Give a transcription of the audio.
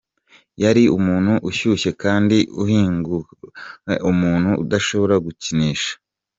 "Yari umuntu ushyushye kandi uhindagurika, umuntu udashobora gukinisha".